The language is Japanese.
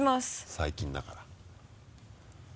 最近だから。